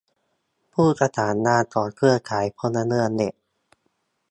ผู้ประสานงานของเครือข่ายพลเมืองเน็ต